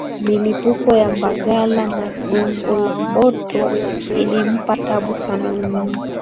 Milipuko ya Mbagala na Gongo la mboto ilimpa tabu sana Mwinyi